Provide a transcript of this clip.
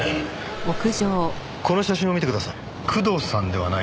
この写真を見てください。